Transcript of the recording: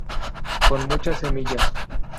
Con muchas semillas.